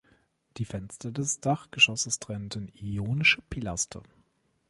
Die Fenster des Dachgeschosses trennten ionische Pilaster.